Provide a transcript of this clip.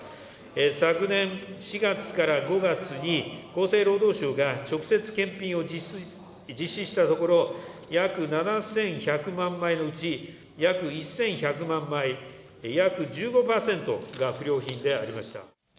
昨年４月から５月に、厚生労働省が直接検品を実施したところ、約７１００万枚のうち、約１１００万枚、約１５％が不良品でありました。